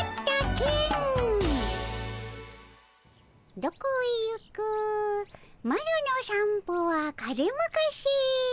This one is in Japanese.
「どこへゆくマロの散歩は風まかせ。